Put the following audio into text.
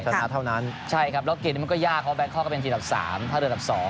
ชนะเท่านั้นใช่ครับแล้วเกมนี้มันก็ยากเพราะแบงคอกก็เป็นทีมดับ๓ท่าเรืออันดับ๒